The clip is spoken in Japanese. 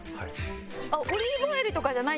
オリーブオイルとかじゃないんですね。